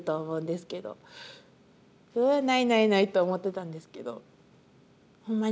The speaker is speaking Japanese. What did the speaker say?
それはないないないと思ってたんですけどホンマ